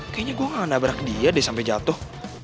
kayaknya gua gak nabrak dia deh sampe jatuh